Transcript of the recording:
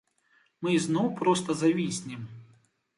Мы ізноў проста завіснем.